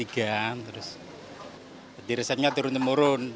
jadi resepnya turun temurun